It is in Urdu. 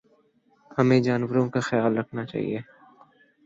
ہمیں جانوروں کا خیال رکھنا چاہیے